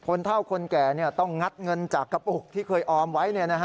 เท่าคนแก่ต้องงัดเงินจากกระปุกที่เคยออมไว้